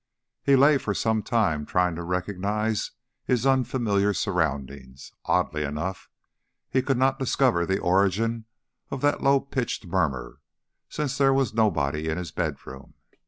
He lay, for some time, trying to recognize his unfamiliar surroundings; oddly enough, he could not discover the origin of that low pitched murmur, since there was nobody in his bedroom.